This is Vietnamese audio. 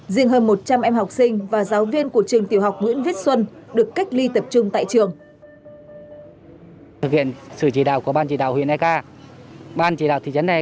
riêng hơn một trăm linh em học sinh và giáo viên của trường tiểu học nguyễn viết xuân được cách ly tập trung tại trường